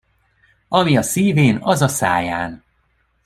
Ami a szívén, az a száján.